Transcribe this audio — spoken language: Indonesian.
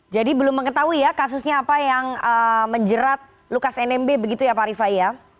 jadi belum mengetahui ya kasusnya apa yang menjerat lukas nmb begitu ya pak rifai ya